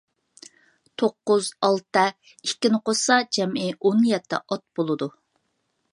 توققۇز، ئالتە، ئىككىنى قوشسا جەمئىي ئون يەتتە ئات بولىدۇ.